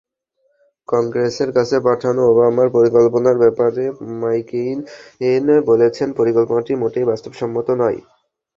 কংগ্রেসের কাছে পাঠানো ওবামার পরিকল্পনার ব্যাপারে ম্যাককেইন বলেছেন, পরিকল্পনাটি মোটেই বাস্তবসম্মত নয়।